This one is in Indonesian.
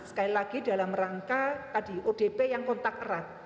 sekali lagi dalam rangka tadi odp yang kontak erat